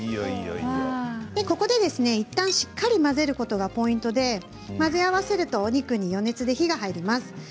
ここでいったん仕上がって混ぜることがポイントで混ぜ合わせるとお肉に余熱で火が入ります。